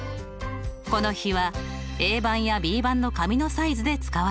この比はＡ判やＢ判の紙のサイズで使われています。